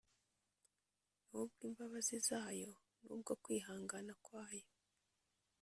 n’ubw’imbabazi zayo n’ubwo kwihangana kwayo?